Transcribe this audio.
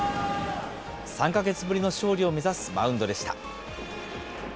３か月ぶりの勝利を目指すマウンドでした。